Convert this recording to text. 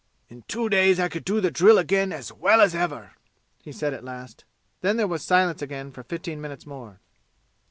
"In two days I could do the drill again as well as ever," he said at last. Then there was silence again for fifteen minutes more.